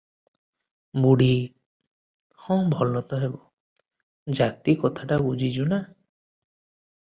ବୁଢ଼ୀ – ହଁ ଭଲ ତ ହେବ; ଜାତି କଥାଟା ବୁଝିଛୁ ନା?